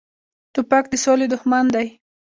توپک د سولې دښمن دی.